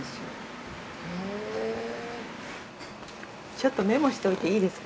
ちょっとメモしといていいですか？